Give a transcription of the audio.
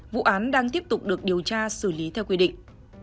vụ án đang tiếp tục được điều tra xử lý theo quy định